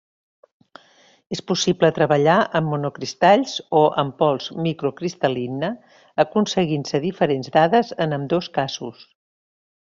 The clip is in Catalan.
És possible treballar amb monocristalls o amb pols microcristal·lina, aconseguint-se diferents dades en ambdós casos.